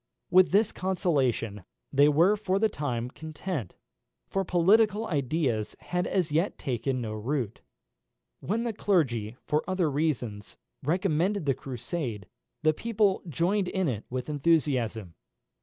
With this consolation they were for the time content, for political ideas had as yet taken no root. When the clergy, for other reasons, recommended the Crusade, the people joined in it with enthusiasm.